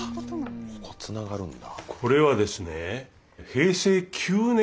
ここつながるんだ。